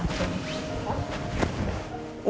mau duduk sini enggak